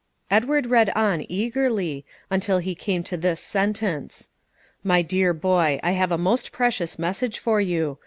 Edward read on eagerly, until he came to this sentence: "My dear boy, I have a most precious message for you.